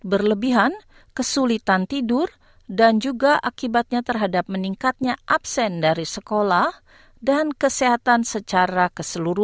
berikut ini pernyataan menteri kesehatan mark butler